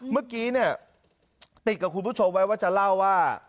เมื่อกี้เนี่ยติดกับคุณผู้ชมไว้ว่าจะเล่าว่า